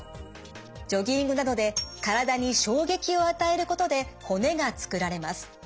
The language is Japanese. ジョギングなどで体に衝撃を与えることで骨がつくられます。